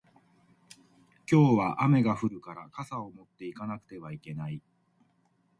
今日は雨が降るから傘を持って行かなくてはいけない